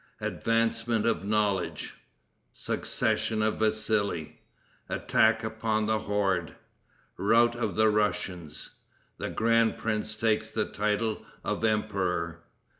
Advancement of Knowledge. Succession of Vassili. Attack Upon the Horde. Rout of the Russians. The Grand Prince Takes the Title of Emperor.